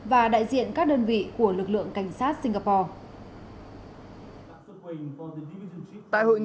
và đại diện các đơn vị của lực lượng